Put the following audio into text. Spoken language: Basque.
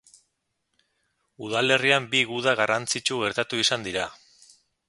Udalerrian bi guda garrantzitsu gertatu izan dira.